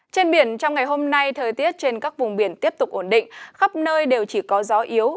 trên biển trong ngày hôm nay thời tiết trên các vùng biển tiếp tục ổn định khắp nơi đều chỉ có gió yếu